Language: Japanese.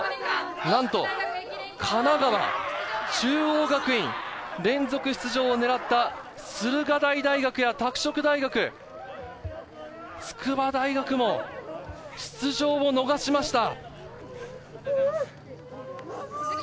なんと神奈川、中央学院、連続出場を狙った駿河台大学や拓殖大学、筑波大学も出場を逃しました。